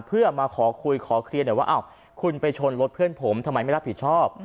เพื่อมาขอคุยขอเคลียร์หน่อยว่าอ้าวคุณไปชนรถเพื่อนผมทำไมไม่รับผิดชอบ